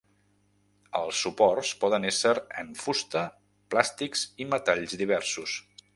Els suports poden ésser en fusta, plàstics i metalls diversos.